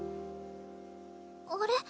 あれ？